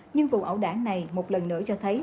nhưng vụ ẩu đảng này một lần nữa cho thấy